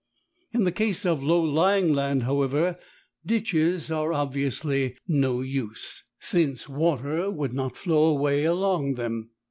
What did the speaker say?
In the case of low lying land, however, ditches are obviously no use, since water would not flow away along them.